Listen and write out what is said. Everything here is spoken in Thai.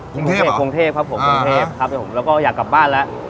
ภูเก็ตหรอภูเก็ตครับผมภูเก็ตครับผมแล้วก็อยากกลับบ้านแล้ว